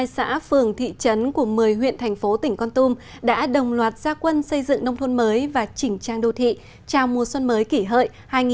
một mươi xã phường thị trấn của một mươi huyện thành phố tỉnh con tum đã đồng loạt gia quân xây dựng nông thôn mới và chỉnh trang đô thị chào mùa xuân mới kỷ hợi hai nghìn một mươi chín